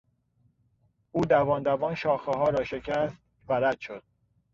او دوان دوان شاخهها را شکست و رد شد.